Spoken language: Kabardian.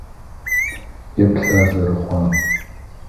Еплъ ар зэрыхъуам!